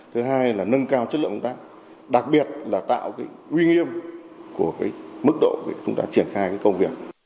thứ hai là nâng cao chất lượng công tác đặc biệt là tạo uy nghiêm của mức độ chúng ta triển khai công việc